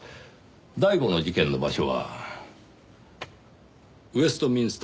第五の事件の場所はウェストミンスター駅。